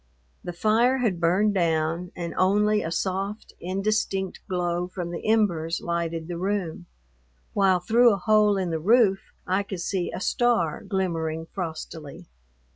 The fire had burned down and only a soft, indistinct glow from the embers lighted the room, while through a hole in the roof I could see a star glimmering frostily.